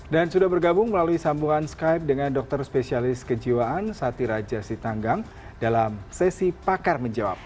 dan sudah bergabung melalui sambungan skype dengan dokter spesialis kejiwaan sati raja sitanggang dalam sesi pakar menjawab